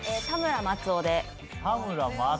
田村松尾。